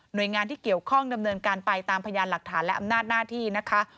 โดยงานที่เกี่ยวข้องดำเนินการไปตามพยานหลักฐานและอำนาจหน้าที่นะคะ